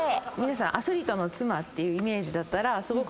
アスリートの妻っていうイメージだったらすごく。